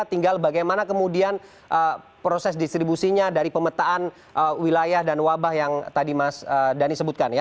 tinggal bagaimana kemudian proses distribusinya dari pemetaan wilayah dan wabah yang tadi mas dhani sebutkan ya